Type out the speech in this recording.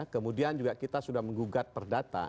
kemudian juga kita sudah menggugat perdata